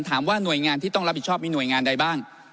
หน่วยงานที่ต้องรับผิดชอบมีหน่วยงานใดบ้าง